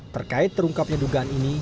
terkait terungkapnya dugaan ini